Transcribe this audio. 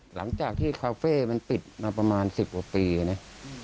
หลังจากที่คาเฟ่มันปิดมาประมาณ๑๐กว่าปีนะ